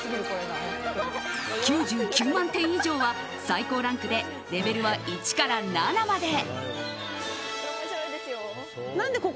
９９万点以上は最高ランクでレベルは１から７まで。